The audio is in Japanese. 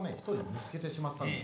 見つけてしまったんですよ」。